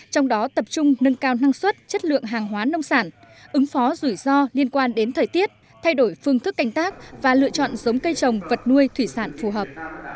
trong đó tập trung nâng cao năng suất chất lượng hàng hóa nông sản ứng phó rủi ro liên quan đến thời tiết thay đổi phương thức canh tác và lựa chọn giống cây trồng vật nuôi thủy sản phù hợp